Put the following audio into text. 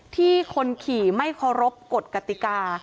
ที่คนขี่ไม่เค้ารบกฎกติกา